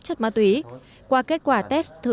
chất ma túy qua kết quả test thử